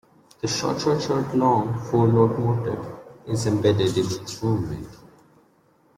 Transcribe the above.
The "short-short-short-long" four-note motive is embedded in each movement.